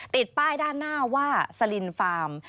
ติดป้ายด้านหน้าว่าสลินฟาร์ม